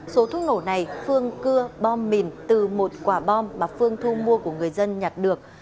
số thuốc nổ này phương cưa bom mìn từ một quả bom mà phương thu mua của người dân nhặt được